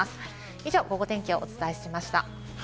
以上、ゴゴ天気お伝えしました。